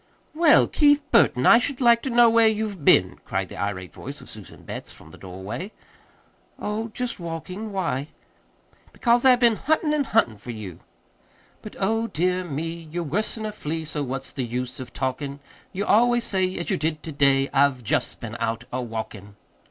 "Well, Keith Burton, I should like to know where you've been," cried the irate voice of Susan Betts from the doorway. "Oh, just walking. Why?" "Because I've been huntin' and huntin' for you. But, oh, dear me, You're worse'n a flea, So what's the use of talkin'? You always say, As you did to day, I've just been out a walkin'!"